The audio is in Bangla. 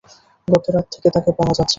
গত রাত থেকে তাকে পাওয়া যাচ্ছে না।